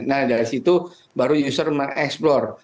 nah dari situ baru user mengeksplor